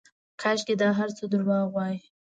کاشکې دا هرڅه درواغ واى.